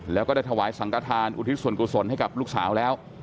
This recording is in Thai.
แล้วก็ได้ถวายสังกฐานอุทิศส่วนกุศลให้กับลูกสาวแล้ว